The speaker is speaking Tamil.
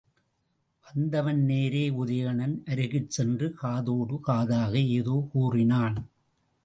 வந்தவன் நேரே உதயணன் அருகிற் சென்று காதோடு காதாக ஏதோ கூறினான்.